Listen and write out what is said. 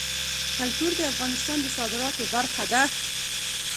کلتور د افغانستان د صادراتو برخه ده.